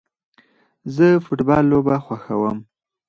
زه فټبال لوبه خوښوم